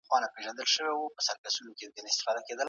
هغه حق چي د بل چا وي، هيڅکله يې بايد ونه خورو.